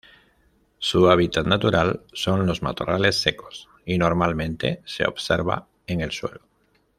Su hábitat natural son los matorrales secos, y normalmente se observa en el suelo.